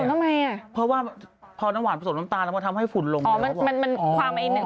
เพราะว่าพอน้ำหวานผสมน้ำตาลเราก็ทำให้ฝุ่นลง